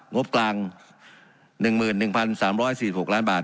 งบกลาง๑๑๓๔๖ล้านบาท